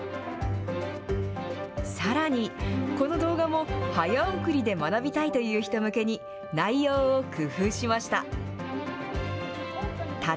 さらに、この動画も早送りで学びたいという人向けに、内容を工夫しました。